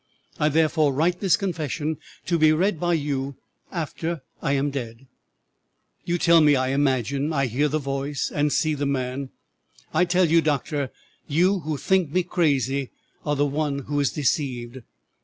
I therefore write this confession, to be read by you after I am dead. "'You tell me I imagine I hear the voice and see the man. I tell you, doctor, you who think me crazy are the one who is deceived.